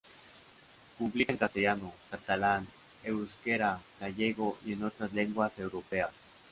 Publica en castellano, catalán, euskera, gallego y en otras lenguas europeas.